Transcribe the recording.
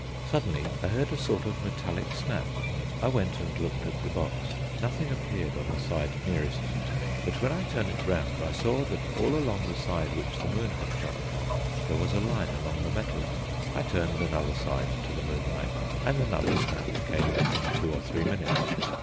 Suddenly I heard a sort of metallic snap. I went and looked at the box. Nothing appeared on the side nearest to me but when I turned it round I saw that all along the side which the moon had shone upon there was a line along the metal. I turned another side to the moonlight, and another snap came in two or three minutes.